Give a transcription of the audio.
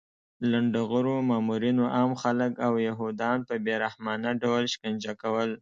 لنډغرو مامورینو عام خلک او یهودان په بې رحمانه ډول شکنجه کول